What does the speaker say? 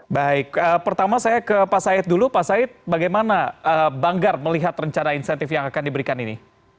baik pertama saya ke pak said dulu pak said bagaimana banggar melihat rencana insentif yang akan diberikan ini